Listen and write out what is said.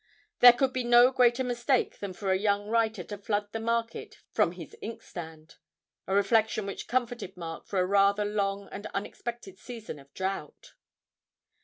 There could be no greater mistake than for a young writer to flood the market from his inkstand a reflection which comforted Mark for a rather long and unexpected season of drought.